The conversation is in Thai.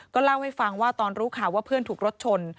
เล่าให้ฟังว่าตอนรู้ข่าวว่าเพื่อนถูกรถชน